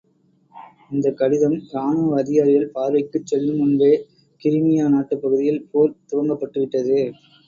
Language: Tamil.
இந்தக் கடிதம் ராணுவ அதிகாரிகள் பார்வைக்குச் செல்லும் முன்பே, கிரிமியா நாட்டுப் பகுதியில் போர் துவங்கப்பட்டு விட்டது.